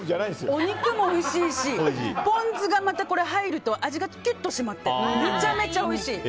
お肉もおいしいしポン酢が入ると味がキュッと締まってめちゃめちゃおいしい！